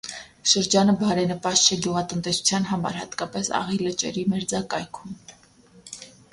Շրջանը բարենպաստ չէ գյուղատնտեսության համար, հատկապես աղի լճերի մերձակայքում։